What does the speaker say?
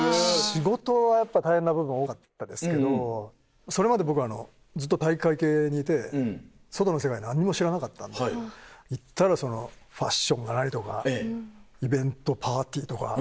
仕事は大変な部分多かったですけどそれまで僕ずっと体育会系にいて外の世界何にも知らなかったんでいったらファッションが何とかイベントパーティーとか。